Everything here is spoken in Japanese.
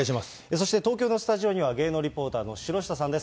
そして東京のスタジオには、芸能リポーターの城下さんです。